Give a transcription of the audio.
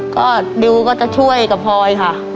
ก็ดิวก็จะช่วยกับพลอยค่ะ